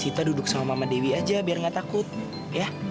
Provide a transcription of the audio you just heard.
kita duduk sama mama dewi aja biar gak takut ya